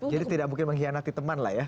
tidak mungkin mengkhianati teman lah ya